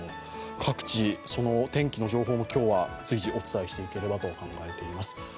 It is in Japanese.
各地、その天気の情報も今日は随時お伝えしていければと考えています。